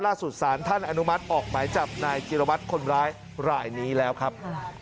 สารท่านอนุมัติออกหมายจับนายจิรวัตรคนร้ายรายนี้แล้วครับ